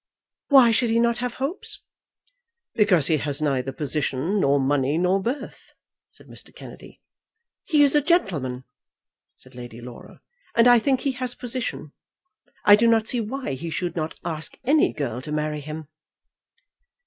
"Why should he not have hopes?" "Because he has neither position, nor money, nor birth," said Mr. Kennedy. "He is a gentleman." said Lady Laura; "and I think he has position. I do not see why he should not ask any girl to marry him."